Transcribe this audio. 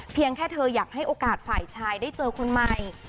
แค่เธออยากให้โอกาสฝ่ายชายได้เจอคนใหม่